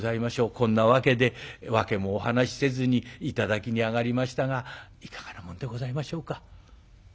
こんなわけで訳もお話しせずに頂きにあがりましたがいかがなもんでございましょうか？」。